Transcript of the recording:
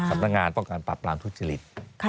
ทางสำนักงานปกปรับลางทุกชลิร